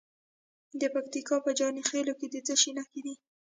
د پکتیکا په جاني خیل کې د څه شي نښې دي؟